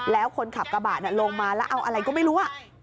แล้วคนขับกระบะลงมาแล้วเอาอะไรก็ไม่รู้